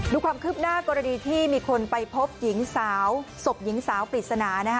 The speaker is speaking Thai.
ดูความคืบหน้ากรณีที่มีคนไปพบหญิงสาวศพหญิงสาวปริศนานะคะ